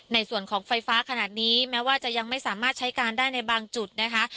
ในส่วนของไฟฟ้าขนาดนี้แม้ว่าจะยังไม่สามารถใช้การได้ในบางจุดนะคะ